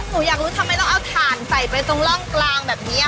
หนูอยากรู้ทำไมต้องเอาถ่านใส่ไปตรงร่องกลางแบบนี้